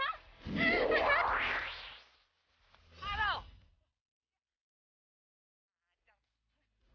akhirnya udah terangin